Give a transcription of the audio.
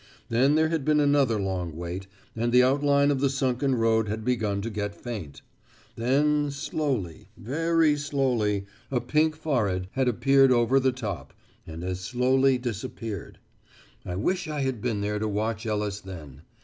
Then there had been another long wait, and the outline of the sunken road had begun to get faint. Then slowly, very slowly, a pink forehead had appeared over the top, and as slowly disappeared. I wish I had been there to watch Ellis then.